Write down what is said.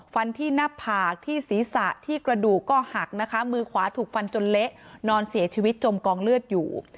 ฟันที่หน้าผากที่ศีรษะที่กระดูกก็หักนะคะมือขวาถูกฟันจนเละนอนเสียชีวิตจมกองเลือดอยู่